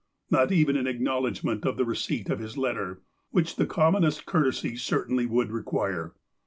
Not even an acknowl edgment of the receipt of his letter, which the common est courtesy certainly would require.